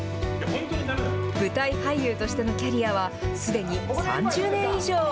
舞台俳優としてのキャリアはすでに３０年以上。